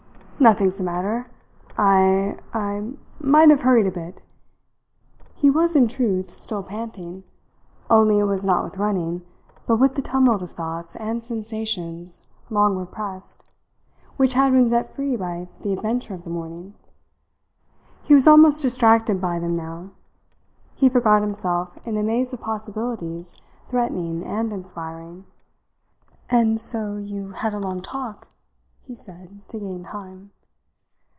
"Nothing's the matter. I I might have hurried a bit." He was in truth still panting; only it was not with running, but with the tumult of thoughts and sensations long repressed, which had been set free by the adventure of the morning. He was almost distracted by them now. He forgot himself in the maze of possibilities threatening and inspiring. "And so you had a long talk?" he said, to gain time.